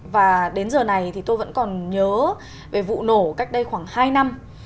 và đến giờ này thì tôi vẫn còn nhớ về vụ nổ cách đây khoảng hai năm